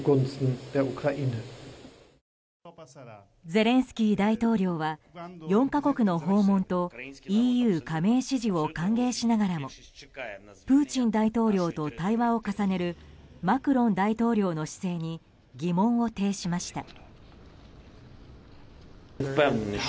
ゼレンスキー大統領は４か国の訪問とＥＵ加盟支持を歓迎しながらもプーチン大統領と対話を重ねるマクロン大統領の姿勢に疑問を呈しました。